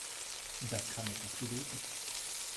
Das kann etwas bewirken.